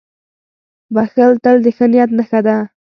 • بښل تل د ښه نیت نښه ده.